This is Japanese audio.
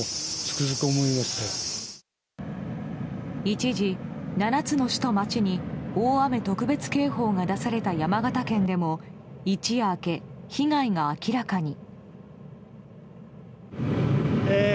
一時７つの市と町に大雨特別警報が出された山形県でも一夜明け被害が明らかに。